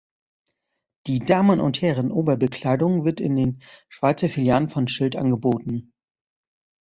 Die Damen- und Herren-Oberbekleidung wird in den Schweizer Filialen von Schild angeboten.